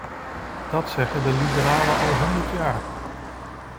Dat zeggen de liberalen al honderd jaar.